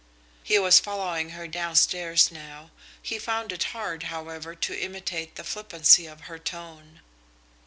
He was following her down stairs now. He found it hard, however, to imitate the flippancy of her tone.